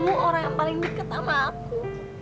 kamu orang yang paling dekat sama aku